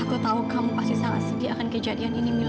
aku tahu kamu pasti sangat sedih akan kejadian ini mila